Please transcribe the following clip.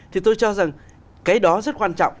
thì tôi cho rằng cái đó rất quan trọng